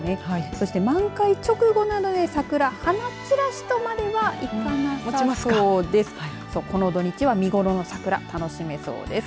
そして満開直後なので桜、花散らしまでとはいかなさそうです。